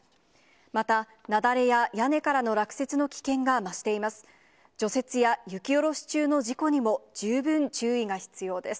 また、雪崩や屋根からの落雪の危険が増しています。